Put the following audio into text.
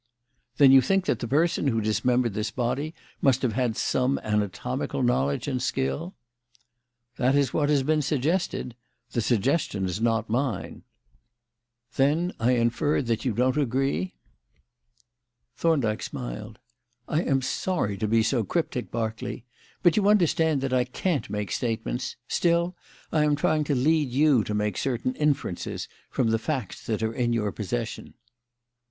"Then you think that the person who dismembered this body must have had some anatomical knowledge and skill?" "That is what has been suggested. The suggestion is not mine." "Then I infer that you don't agree?" Thorndyke smiled. "I am sorry to be so cryptic, Berkeley, but you understand that I can't make statements. Still, I am trying to lead you to make certain inferences from the facts that are in your possession."